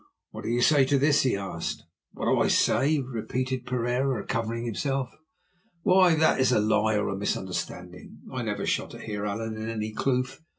"What do you say to this?" he asked. "What do I say?" repeated Pereira, recovering himself. "Why, that it is a lie or a misunderstanding. I never shot at Heer Allan in any kloof.